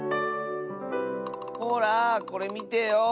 ほらこれみてよ。